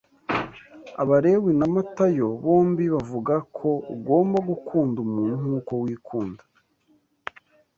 Abalewi na Matayo bombi bavuga ko ugomba gukunda umuntu nkuko wikunda